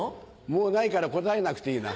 もうないから答えなくていいな。